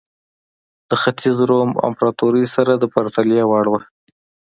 د ختیځ روم امپراتورۍ سره د پرتلې وړ وه.